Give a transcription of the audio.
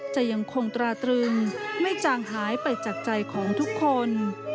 จะยังคงตราตรึงไม่จางหายไปจากใจของทุกคน